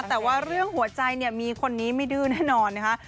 แต่ว่าเรื่องหัวใจเนี่ยมีคนนี้ไม่ดื้อแน่นอนนะคะ